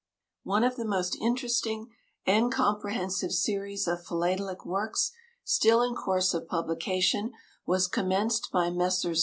One of the most interesting and comprehensive series of philatelic works, still in course of publication, was commenced by Messrs.